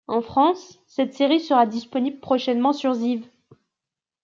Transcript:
En France, cette série sera disponible prochainement sur Zive.